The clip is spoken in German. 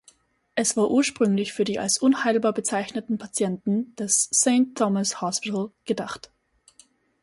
Es war ursprünglich für die als unheilbar bezeichneten Patienten des St Thomas’ Hospital gedacht.